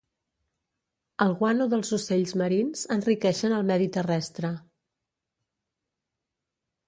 El guano dels ocells marins enriqueixen el medi terrestre.